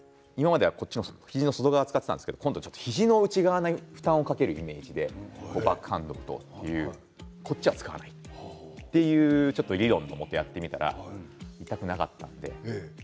ボールを当てても今までは肘の外側を使っていたんですが今度は肘の内側に負担をかけるイメージでバックハンド外側は使わないという理論のもとやってみたら痛くなかったんです。